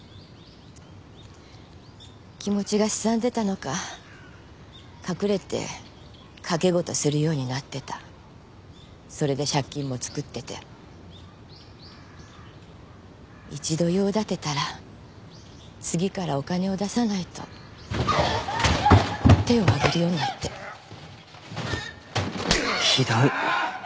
気持ちがすさんでたのか隠れて賭け事するようになってたそれで借金も作ってて一度用立てたら次からお金を出さないと手を上げるようになってひどい！